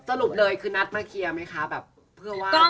คือนัดมาเคลียร์ไหมคะแบบเพื่อว่า